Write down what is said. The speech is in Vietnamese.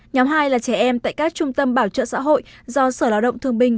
nhóm hai là trẻ em tại các trung tâm bảo trợ xã hội do sở lộng thương bình